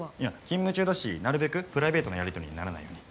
勤務中だしなるべくプライベートなやり取りにならないように。